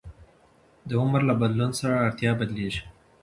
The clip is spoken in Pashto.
د عمر له بدلون سره اړتیا بدلېږي.